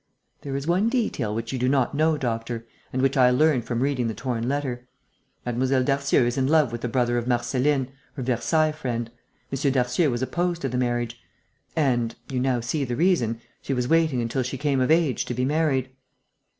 "There is one detail which you do not know, doctor, and which I learnt from reading the torn letter. Mlle. Darcieux is in love with the brother of Marceline, her Versailles friend; M. Darcieux was opposed to the marriage; and you now see the reason she was waiting until she came of age to be married."